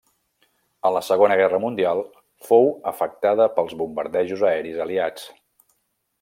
A la Segona Guerra Mundial fou afectada pels bombardejos aeris aliats.